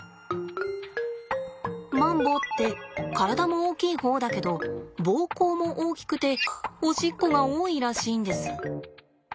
マンボウって体も大きい方だけどぼうこうも大きくておしっこが多いらしいんです。